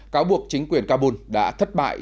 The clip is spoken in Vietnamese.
cáo buộc chính quyền kabul đã thất bại